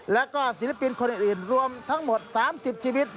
แล้วก็ศิลปินคนอื่นรวมทั้งหมด๓๐ชีวิต